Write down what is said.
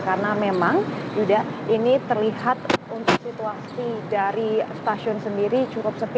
karena memang ini terlihat untuk situasi dari stasiun sendiri cukup sepi